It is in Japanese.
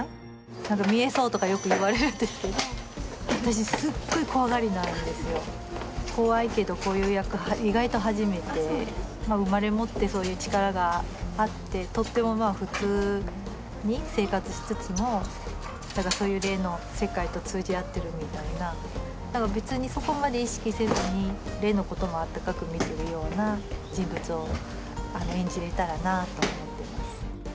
何か見えそうとかよく言われるんですけど私すっごい怖がりなんですよ怖いけどこういう役意外と初めて生まれ持ってそういう力があってとってもまあ普通に生活しつつもそういう霊の世界と通じ合ってるみたいなだから別にそこまで意識せずに霊のこともあったかく見てるような人物を演じれたらなと思っています